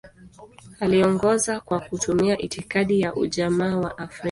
Aliongoza kwa kutumia itikadi ya Ujamaa wa Afrika.